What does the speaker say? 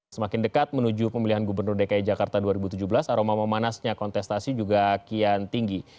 semakin dekat menuju pemilihan gubernur dki jakarta dua ribu tujuh belas aroma memanasnya kontestasi juga kian tinggi